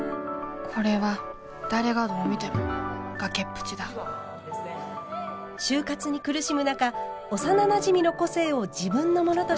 これは誰がどう見ても崖っぷちだ就活に苦しむ中幼なじみの個性を自分のものとして偽った主人公。